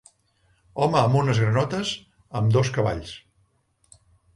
Home amb unes granotes, amb dos cavalls.